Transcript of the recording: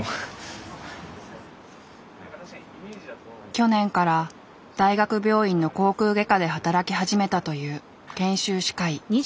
去年から大学病院の口腔外科で働き始めたという研修歯科医。